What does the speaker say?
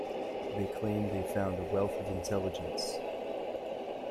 They claim they found a wealth of intelligence.